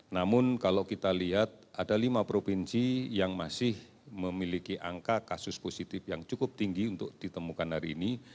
namun kalau kita lihat ada lima provinsi yang masih memiliki angka kasus positif yang cukup tinggi untuk ditemukan hari ini